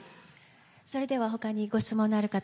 それでは他にご質問のある方。